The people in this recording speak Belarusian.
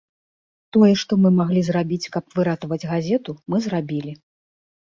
Тое, што мы маглі зрабіць, каб выратаваць газету, мы зрабілі.